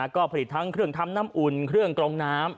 ก็ผลิตทั้งเครื่องทำน้ำอุ่นเครื่องกรองน้ำ